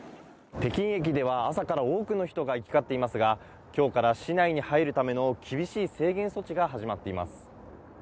北京駅では、朝から多くの人が行き交っていますが、きょうから市内に入るための厳しい制限措置が始まっています。